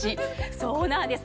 そうなんです。